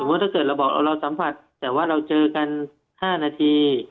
ถ้าเกิดเราบอกเราสัมผัสแต่ว่าเราเจอกัน๕นาที